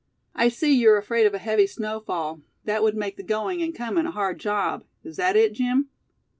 "I see, you're afraid of a heavy snowfall, that would make the going and coming a hard job; is that it, Jim?"